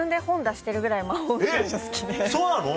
そうなの⁉